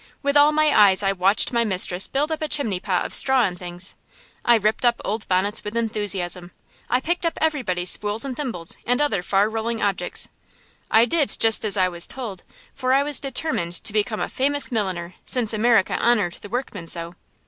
With all my eyes I watched my mistress build up a chimney pot of straw and things. I ripped up old bonnets with enthusiasm. I picked up everybody's spools and thimbles, and other far rolling objects. I did just as I was told, for I was determined to become a famous milliner, since America honored the workman so.